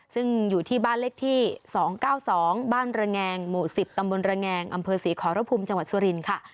ซึ่งอยู่ที่บ้านเลขที่๒๙๒บ้านระแงงหมู่๑๐ตำบลระแงงอำเภอศรีขอระพุมจังหวัดสุรินทร์ค่ะ